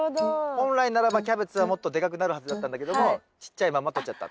本来ならばキャベツはもっとでかくなるはずだったんだけどもちっちゃいまんまとっちゃった。